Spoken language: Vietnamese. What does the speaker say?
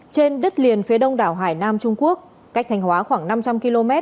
trên đất liền phía đông đảo hải nam trung quốc cách thanh hóa khoảng năm trăm linh km